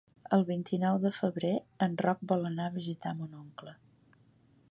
El vint-i-nou de febrer en Roc vol anar a visitar mon oncle.